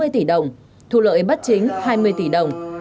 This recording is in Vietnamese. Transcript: bốn mươi tỷ đồng thu lợi bắt chính hai mươi tỷ đồng